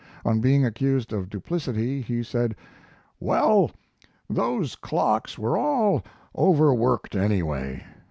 On being accused of duplicity he said: "Well, those clocks were all overworked, anyway.